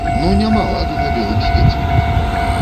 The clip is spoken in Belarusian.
Ну няма ладу на белым свеце!